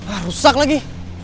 ah rusak lagi